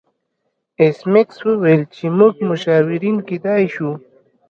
ایس میکس وویل چې موږ مشاورین کیدای شو